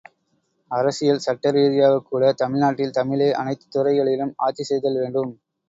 அரசியல் சட்ட ரீதியாகக் கூட தமிழ் நாட்டில் தமிழே அனைத்துத் துறைகளிலும் ஆட்சி செய்தல் வேண்டும்.